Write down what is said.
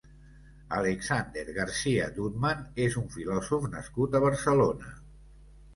Alexander García Düttmann és un filòsof nascut a Barcelona.